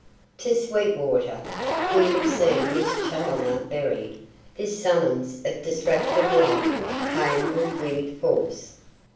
To Sweetwater, who had seen Miss Challoner buried, this summons of distracted love came with weird force.